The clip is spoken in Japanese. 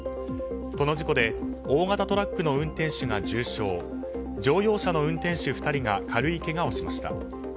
この事故で大型トラックの運転手が重傷乗用車の運転手２人が軽いけがをしました。